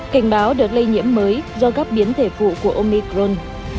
kinh báo được lây nhiễm mới do gấp biến thể phụ của omicron